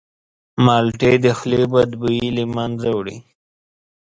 مالټې د خولې بدبویي له منځه وړي.